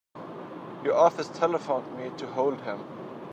Your office telephoned me to hold him.